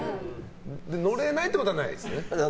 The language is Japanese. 乗れないってことはないですね。